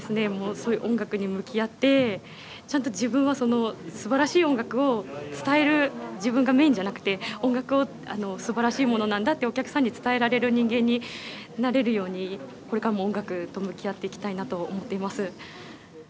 そういう音楽に向き合ってちゃんと自分はそのすばらしい音楽を伝える自分がメインじゃなくて音楽をすばらしいものなんだってお客さんに伝えられる人間になれるようにこれからも音楽と向き合っていきたいなと思っています。